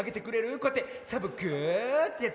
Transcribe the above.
こうやってサボ子ってやつ。